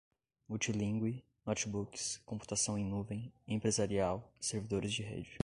multilíngue, notebooks, computação em nuvem, empresarial, servidores de rede